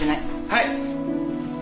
はい。